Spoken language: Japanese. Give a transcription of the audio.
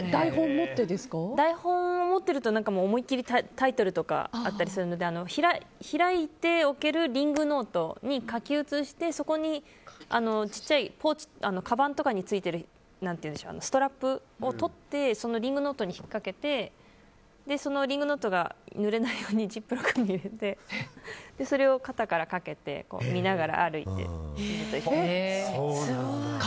台本を持ってると思い切りタイトルとかあったりするので開いておけるリングノートに書き写してそこに小さいポーチとかかばんにストラップをとってリングノートに引っ掛けてそのリングノートがぬれないようにジップロックに入れてそれを肩からかけて見ながら歩いて、犬と一緒に。